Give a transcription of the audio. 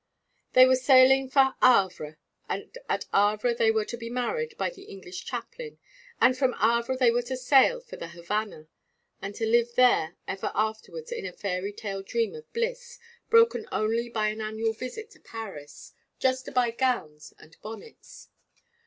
They were sailing for Havre, and at Havre they were to be married by the English chaplain, and from Havre they were to sail for the Havana, and to live there ever afterwards in a fairy tale dream of bliss, broken only by an annual visit to Paris, just to buy gowns and bonnets.